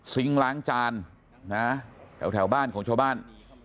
ล้างจานนะแถวบ้านของชาวบ้าน